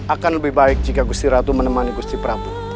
akan lebih baik jika gusti ratu menemani gusti prabu